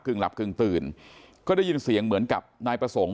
หลับกึ่งตื่นก็ได้ยินเสียงเหมือนกับนายประสงค์